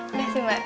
oke kasih mbak